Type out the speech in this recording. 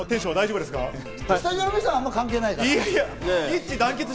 スタジオの皆さんは、あまり関係ないから。